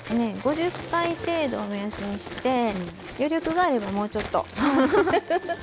５０回程度を目安にして余力があれば、もうちょっと。